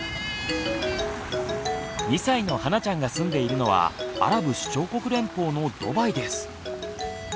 ２歳のはなちゃんが住んでいるのはアラブ首長国連邦のドバイです。